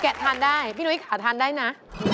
ทานได้พี่นุ้ยขาทานได้นะ